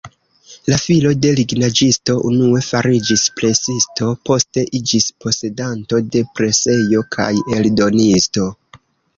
La filo de lignaĵisto unue fariĝis presisto, poste iĝis posedanto de presejo kaj eldonisto.